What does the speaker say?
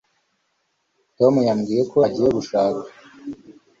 tom yambwiye ko agiye gushaka